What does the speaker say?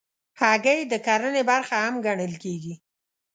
هګۍ د کرنې برخه هم ګڼل کېږي.